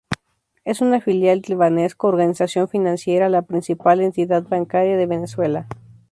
Es una filial de Banesco Organización Financiera, la principal entidad bancaria de Venezuela.